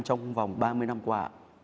trong vòng ba mươi năm qua